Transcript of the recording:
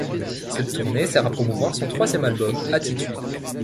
Cette tournée sert à promouvoir son troisième album Attitudes.